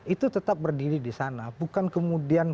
itu tetap berdiri di sana bukan kemudian